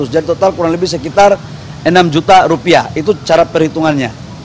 jadi total kurang lebih sekitar enam juta rupiah itu cara perhitungannya